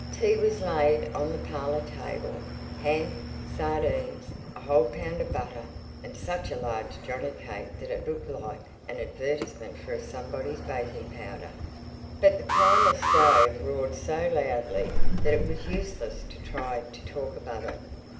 Tea was laid on the parlour table—ham, sardines, a whole pound of butter, and such a large johnny cake that it looked like an advertisement for somebody's baking powder. But the Primus stove roared so loudly that it was useless to try to talk above it.